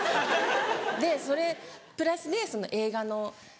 でそれプラスで映画の。